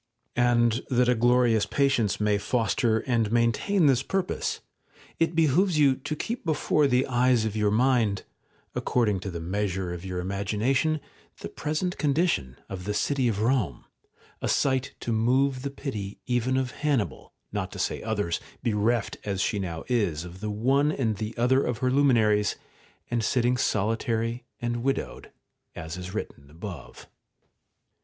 § 10. And that a glorious patience may foster and maintain this purpose, it behoves you to keep before the eyes of your mind, according to the measure of your imagination, the present condition of the city of Eome, a sight to move the pity even of Hannibal, not to say others, bereft as she now is of the one and the other of her luminaries, and sitting solitary and widowed, as is written above.